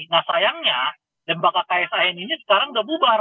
nah sayangnya dembaka kfan ini sekarang udah bubar